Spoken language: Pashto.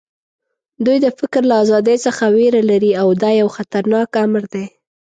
دوی د فکر له ازادۍ څخه وېره لري او دا یو خطرناک امر دی